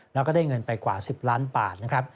แล้วก็ได้เงินไปกว่า๑๐ล้านบาทนะครับ